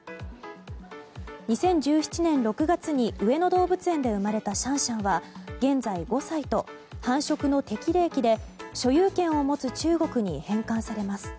２０１７年６月に上野動物園で生まれたシャンシャンは現在５歳と繁殖の適齢期で所有権を持つ中国に返還されます。